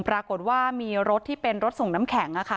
ปรากฏว่ามีรถที่เป็นรถส่งน้ำแข็ง